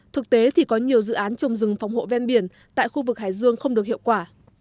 thực tế thì có nhiều dự án trồng rừng phòng hộ ven biển tại khu vực hải dương không được hiệu quả